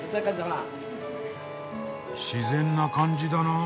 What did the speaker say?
自然な感じだなあ。